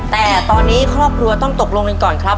แต่ตอนนี้ครอบครัวต้องตกลงกันก่อนครับ